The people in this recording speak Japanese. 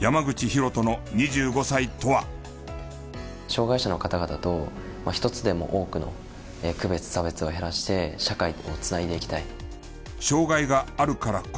障がい者の方々と一つでも多くの区別差別を減らして社会と繋いでいきたい。